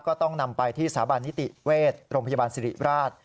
ก็ต้องนำไปที่สถาบันนิติเวชโรงพยาบาลสิริราช